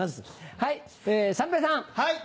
はい三平さん。はい。